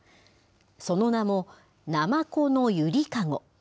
その名もナマコのゆりかご。